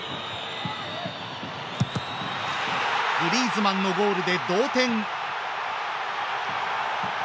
グリーズマンのゴールで同点。